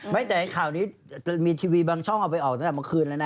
ไม่แต่ข่าวนี้จะมีทีวีบางช่องเอาไปออกตั้งแต่เมื่อคืนแล้วนะ